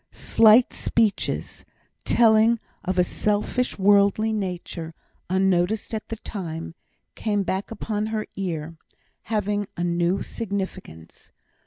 Slight speeches, telling of a selfish, worldly nature, unnoticed at the time, came back upon her ear, having a new significance.